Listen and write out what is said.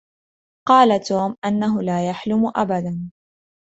قال توم أنه لا يحلم أبدا.